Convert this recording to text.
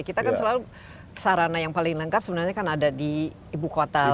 kita kan selalu sarana yang paling lengkap sebenarnya kan ada di ibu kota